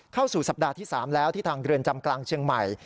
เข้าสู่สัปดาห์ที่๓แล้วที่ทางเรือนจำกลางเชียงใหม่